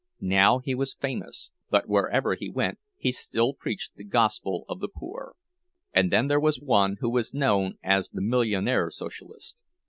Now he was famous, but wherever he went he still preached the gospel of the poor. And then there was one who was known at the "millionaire Socialist."